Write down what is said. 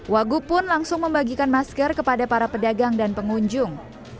wagub pun langsung membagikan masker kepada para pedagang dan pengunjung